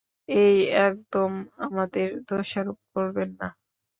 এই, একদম আমাদের দোষারোপ করবেন না।